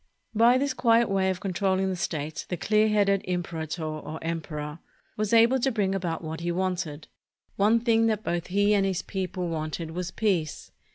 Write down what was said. By this quiet way of controlling the state, the clear headed imperator, or emperor, was able to bring about what he wanted. One thing that both he and his people wanted was peace.